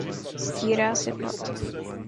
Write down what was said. Stírá si pot.